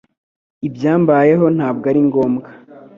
Ibyambayeho ntabwo ari ngombwa